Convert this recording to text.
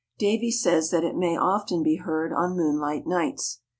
Davie says that it may often be heard on moonlight nights.